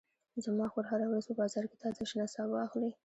زما خور هره ورځ په بازار کې تازه شنه سابه اخلي